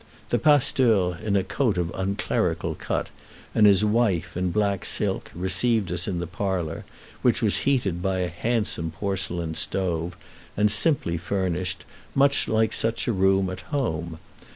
The pasteur, in a coat of unclerical cut, and his wife, in black silk, received us in the parlor, which was heated by a handsome porcelain stove, and simply furnished, much like such a room at home.